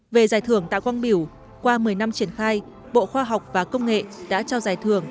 về giải thưởng tạ quang biểu qua một mươi năm triển khai bộ khoa học và công nghệ đã trao giải thưởng